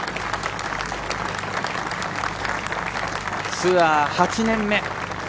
ツアー８年目。